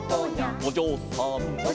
「おじょうさん」